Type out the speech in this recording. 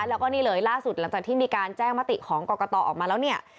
แล้วก็นี่เลยล่าสุดหลังจากที่มีการแจ้งมติของกรกตออกมาแล้วเนี่ย